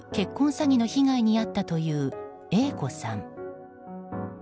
詐欺の被害に遭ったというＡ子さん。